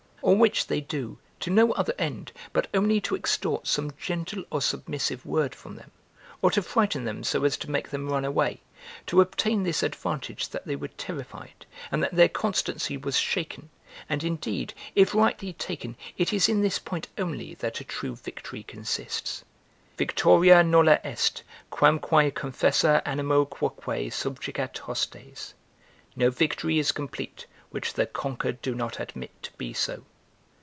All which they do, to no other end, but only to extort some gentle or submissive word from them, or to frighten them so as to make them run away, to obtain this advantage that they were terrified, and that their constancy was shaken; and indeed, if rightly taken, it is in this point only that a true victory consists: "Victoria nulla est, Quam quae confessor animo quoque subjugat hostes." ["No victory is complete, which the conquered do not admit to be so.